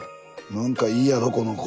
なんかいいやろこの子。